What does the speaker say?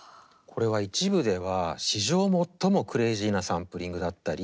これは一部では史上最もクレージーなサンプリングだったり